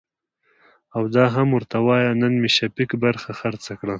او دا هم ورته وايه نن مې شفيق برخه خرڅه کړه .